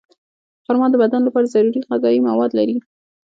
خرما د بدن لپاره ضروري غذایي مواد لري.